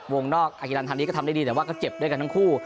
วงนอกอากิรันธานีก็ทำได้ดีแต่ว่าก็เจ็บด้วยกันทั้งคู่